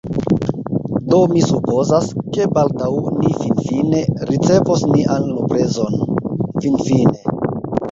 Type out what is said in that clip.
Do mi supozas, ke baldaŭ ni finfine ricevos nian luprezon. Finfine.